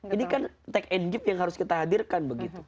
ini kan take and give yang harus kita hadirkan begitu